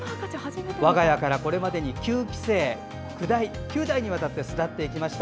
我が家からこれまでに９期生９代にわたって巣立っていきました。